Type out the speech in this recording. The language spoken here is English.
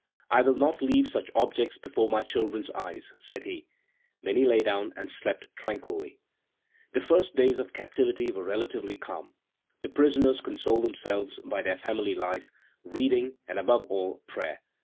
"I will not leave such objects before my children's eyes," said he. Then he lay down and slept tranquilly. The first days of captivity were relatively calm. The prisoners consoled themselves by their family life, reading, and, above all, prayer.